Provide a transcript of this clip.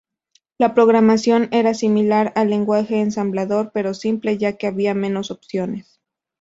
La programación era similar al lenguaje ensamblador, pero simple, ya que había menos opciones.